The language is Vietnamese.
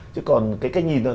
chứ còn cái cách nhìn thôi